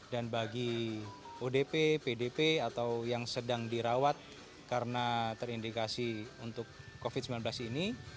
dan bagi odp pdp atau yang sedang dirawat karena terindikasi untuk covid sembilan belas ini